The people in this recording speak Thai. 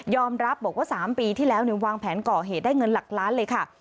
รับบอกว่า๓ปีที่แล้ววางแผนก่อเหตุได้เงินหลักล้านเลยค่ะ